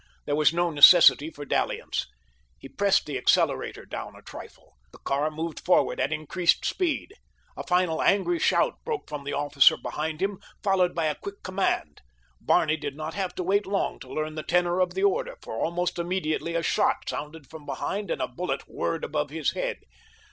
There was no necessity for dalliance. He pressed the accelerator down a trifle. The car moved forward at increased speed. A final angry shout broke from the officer behind him, followed by a quick command. Barney did not have to wait long to learn the tenor of the order, for almost immediately a shot sounded from behind and a bullet whirred above his head.